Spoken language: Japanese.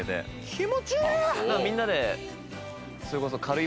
気持ちいい！